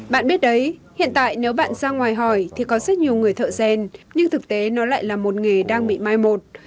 bạn biết đấy hiện tại nếu bạn ra ngoài hỏi thì có rất nhiều người thợ rèn nhưng thực tế nó lại là một nghề đang bị mai một